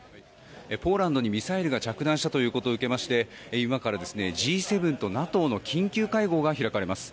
ポーランドにミサイルが着弾したということを受けまして今からＧ７とＮＡＴＯの緊急会合が開かれます。